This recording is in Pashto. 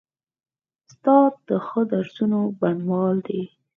استاد د ښو درسونو بڼوال دی.